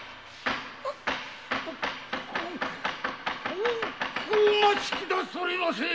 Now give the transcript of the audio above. おお待ちくださりませ。